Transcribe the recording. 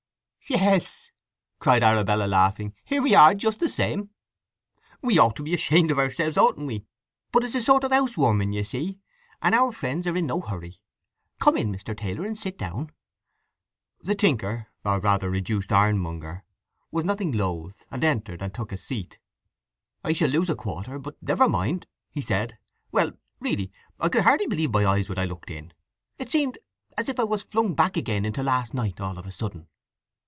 "Yes!" cried Arabella, laughing. "Here we are, just the same. We ought to be ashamed of ourselves, oughtn't we? But it is a sort of housewarming, you see; and our friends are in no hurry. Come in, Mr. Taylor, and sit down." The tinker, or rather reduced ironmonger, was nothing loath, and entered and took a seat. "I shall lose a quarter, but never mind," he said. "Well, really, I could hardly believe my eyes when I looked in! It seemed as if I was flung back again into last night, all of a sudden."